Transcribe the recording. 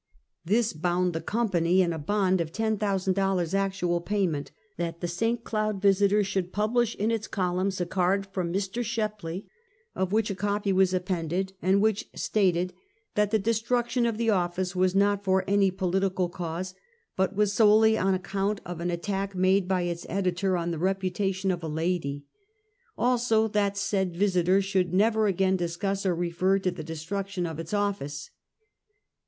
^ This bound the company in a bond of $10,000 act ual payment, that the St. Cloud Visiter should pub lish in its columns a card from Mr. Shepley, of which a copy was appended, and which stated that the de struction of the office was not for any political cause, but was solely on account of an attack made by its editor on the reputation of a lady. Also, that said Yisiter should never again discuss or refer to the de struction of its office.